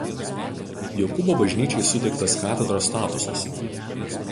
Jokūbo bažnyčiai suteiktas katedros statusas.